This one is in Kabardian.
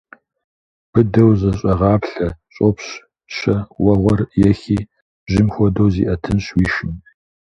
Быдэу зэщӏэгъаплъэ, щӏопщ щэ уэгъуэр ехи, жьым хуэдэу зиӏэтынщ уи шым.